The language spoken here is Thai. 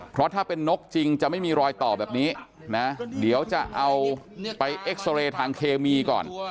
เพราะถ้าเป็นนกจริงจะไม่มีรอยต่อแบบนี้นะเดี๋ยวจะเอาไปเอ็กซอเรย์ทางเคมีก่อน